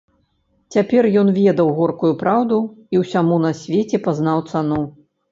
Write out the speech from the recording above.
Цяпер ён ведаў горкую праўду і ўсяму на свеце пазнаў цану.